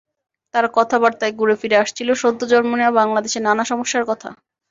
তাঁর কথাবার্তায় ঘুরেফিরে আসছিল সদ্য জন্ম নেওয়া বাংলাদেশের নানা সমস্যার কথা।